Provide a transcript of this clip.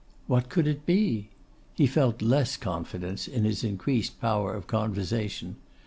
What could it be? He felt less confidence in his increased power of conversation.